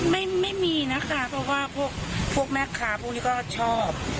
ไม่มีนะคะเพราะว่าพวกแม่ค้าพวกนี้ก็ชอบ